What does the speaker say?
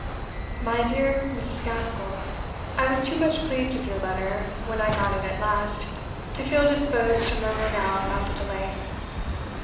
"My dear Mrs. Gaskell, I was too much pleased with your letter, when I got it at last, to feel disposed to murmur now about the delay.